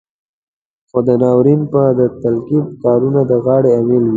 خو دا ناورين به د تقلب کارانو د غاړې امېل وي.